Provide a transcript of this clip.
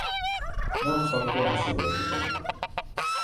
"Bir hisobga yaxshi bo‘ldi, — dedi.